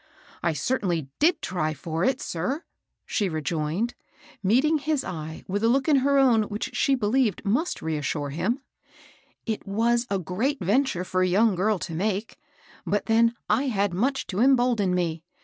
" I certainly did try for it, sir," she rejoined, meeting his eye with a look m \yet Q^\iL^^i^KN^ic^'^s^s5k 260 MABEL ROSS. believed must reassure him. ^^It was a great venture for a young girl to make ; but then I had much to embolden me.